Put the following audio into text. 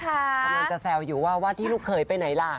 กำลังจะแซวอยู่ว่าว่าที่ลูกเขยไปไหนล่ะ